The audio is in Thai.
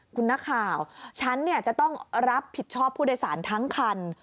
คุณนักข่าวฉันจะต้องรับผิดชอบผู้โดยสารทั้งคัน